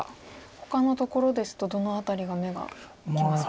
ほかのところですとどの辺りが目がいきますか。